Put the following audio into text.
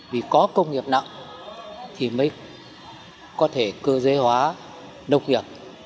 vì có công nghiệp nặng thì mới có thể cơ giới hóa nông nghiệp